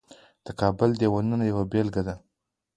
د کابل دیوالونه یوه بیلګه ده